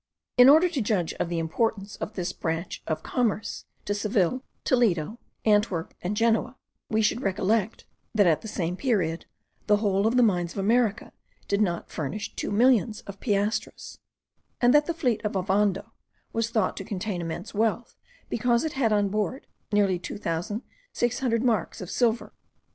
In order to judge of the importance of this branch of commerce to Seville, Toledo, Antwerp, and Genoa, we should recollect that at the same period the whole of the mines of America did not furnish two millions of piastres; and that the fleet of Ovando was thought to contain immense wealth, because it had on board nearly two thousand six hundred marks of silver.